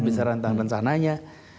bicara tentang rencananya